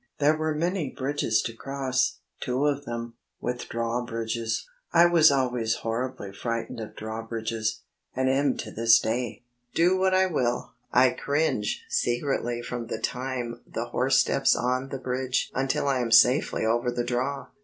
There were many bridges to cross, two of them, with drawbridges. I was always horribly frightened of drawbridges, and am to this day. Do what I will, 1 cringe secredy from the time the horse steps on the bridge until I am safely over the draw.